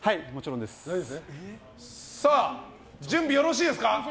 準備よろしいですか。